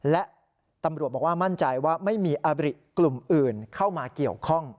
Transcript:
และตำรวจบอกว่ามั่นใจว่าไม่มีอบริกลุ่มอื่นเข้ามาเกี่ยวข้อง